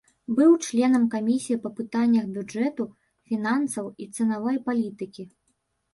Быў членам камісіі па пытаннях бюджэту, фінансаў і цэнавай палітыкі.